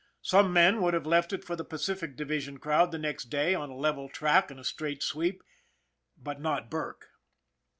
Some men would have left it for the Pacific Division crowd the next day on a level track and a straight sweep but not Burke.